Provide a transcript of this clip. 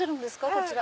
こちら。